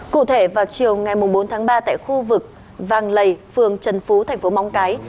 cụ thể vào chiều ngày bốn tháng ba tại khu vực vàng lầy phường trần phú thành phố móng cái